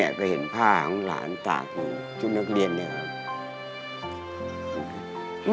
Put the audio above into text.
เอานี่ก็เห็นผ้าของหลานตาอยู่ชุ่นนักเรียนเนี่ยค่ะ